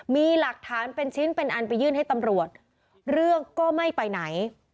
มีหลักฐานเป็นชิ้นเป็นอันไปยื่นให้ตำรวจเรื่องก็ไม่ไปไหน